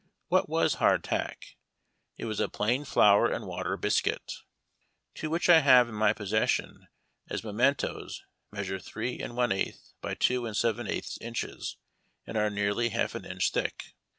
What was hard tack? It was a plain flour and water biscuit. Two which I have in iny possession as mementos measure three and one eighth by two and seven eighths inches, and are nearly half an inch thick.